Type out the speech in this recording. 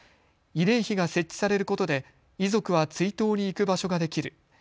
慰霊碑が設置されることで遺族は追悼に行く場所ができる。